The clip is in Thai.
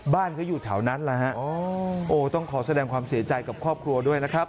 บ้านเขาอยู่แถวนั้นแหละฮะโอ้ต้องขอแสดงความเสียใจกับครอบครัวด้วยนะครับ